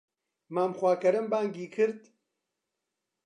مام خواکەرەم بانگی کرد